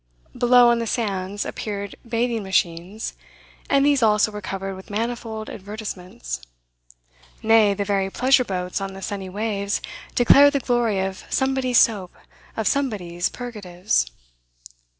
Below, on the sands, appeared bathing machines, and these also were covered with manifold advertisements. Nay, the very pleasure boats on the sunny waves declared the glory of somebody's soap, of somebody's purgatives.